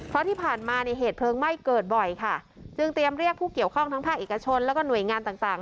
เพราะที่ผ่านมาเนี่ยเหตุเพลิงไหม้เกิดบ่อยค่ะจึงเตรียมเรียกผู้เกี่ยวข้องทั้งภาคเอกชนแล้วก็หน่วยงานต่าง